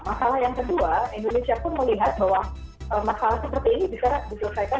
masalah yang kedua indonesia pun melihat bahwa masalah seperti ini bisa diselesaikan